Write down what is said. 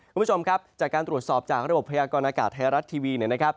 คุณผู้ชมครับจากการตรวจสอบจากระบบพยากรณากาศไทยรัฐทีวีเนี่ยนะครับ